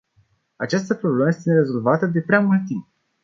Această problemă este nerezolvată de prea mult timp.